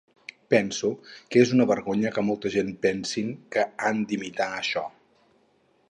Penso que és una vergonya que molta gent pensin que han d'imitar això.